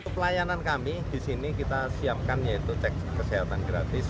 pelayanan kami disini kita siapkan yaitu cek kesehatan gratis